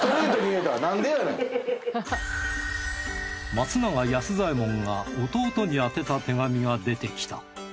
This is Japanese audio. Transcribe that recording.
松永安左エ門が弟に宛てた手紙が出てきた。